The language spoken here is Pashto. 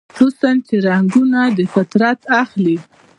حسن چې رنګونه دفطرت اخلي